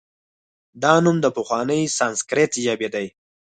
دا نوم د پخوانۍ سانسکریت ژبې دی